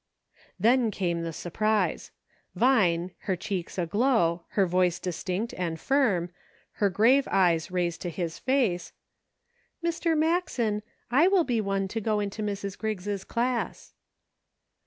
Then came the surprise. Vine, her cheeks 102 "I WILL. aglow, her voice distinct and firm, her grave eyes raised to his face :" Mr. Maxen, I will be one to go into Mrs. Griggs' class."